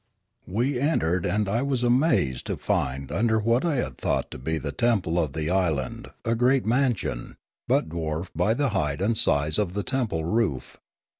We entered and I was amazed to find under what I had thought to be the temple of the island a great mansion, but dwarfed by the height and size of the temple roof.